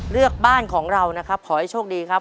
เลือกบ้านของเรานะครับขอให้โชคดีครับ